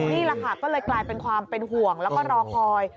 นี่แหละค่ะก็เลยกลายเป็นความเป็นห่วงแล้วก็รอคอย